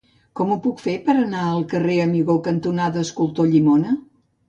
Com ho puc fer per anar al carrer Amigó cantonada Escultor Llimona?